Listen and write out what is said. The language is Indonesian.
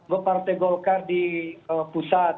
bepartai golkar di pusat